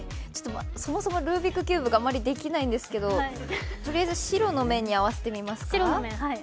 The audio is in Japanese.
そもそもルービックキューブがあまりできないんですけどとりあえず白の面に合わせてみますか？